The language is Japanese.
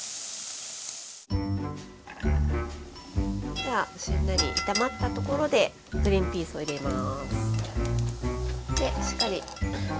じゃあしんなり炒まったところでグリンピースを入れます。